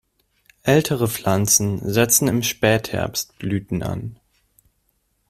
Ältere Pflanzen setzen im Spätherbst Blüten an.